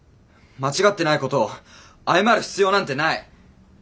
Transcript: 間違ってないことを謝る必要なんてない！